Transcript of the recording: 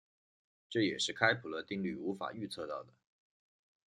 这也是开普勒定律无法预测到的。